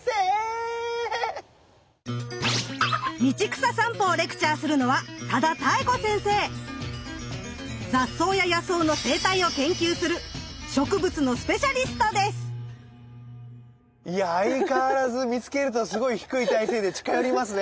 道草さんぽをレクチャーするのは雑草や野草の生態を研究する相変わらず見つけるとすごい低い体勢で近寄りますね。